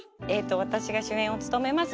私が主演を務めます